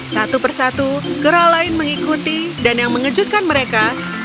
satu persatu kera lain mengikuti dan yang mengejutkan mereka